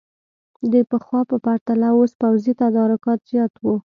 د پخوا په پرتله اوس پوځي تدارکات زیات وو.